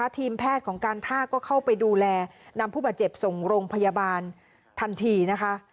ทีมแพทย์ของการท่าก็เข้าไปดูแลนำผู้บาดเจ็บส่งโรงพยาบาลทันทีนะคะ